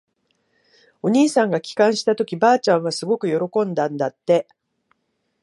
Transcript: お兄さんが帰還したとき、ばあちゃんはすごく喜んだんだって。